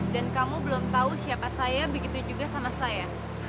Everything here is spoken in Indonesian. dan kamu belum tahu siapa saya begitu juga sama saya